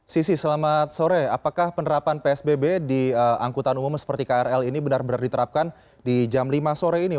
sisi selamat sore apakah penerapan psbb di angkutan umum seperti krl ini benar benar diterapkan di jam lima sore ini